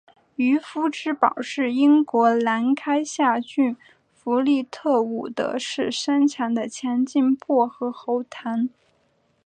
渔夫之宝是英国兰开夏郡弗利特伍德市生产的强劲薄荷喉糖。